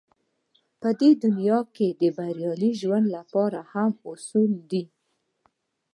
په دې دنيا کې بريالي ژوند لپاره مهم اصول دی.